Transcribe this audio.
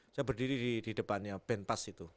saya berdiri di depannya pen pas itu